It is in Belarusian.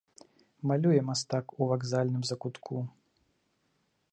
Малюе мастак ў вакзальным закутку.